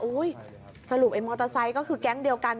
สรุปไอ้มอเตอร์ไซค์ก็คือแก๊งเดียวกัน